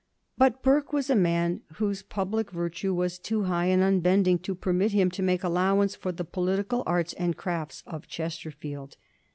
But Burke was a man whose public virtue was too high and unbending to permit him to make allowance for the political arts and crafts of a Chesterfield.